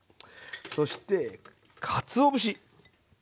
そしてかつお節。